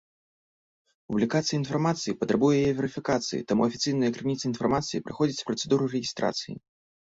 Публікацыя інфармацыі патрабуе яе верыфікацыі, таму афіцыйныя крыніцы інфармацыі праходзяць працэдуру рэгістрацыі.